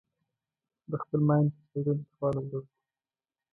د خپل ماین په چاودنه کې والوزول شو.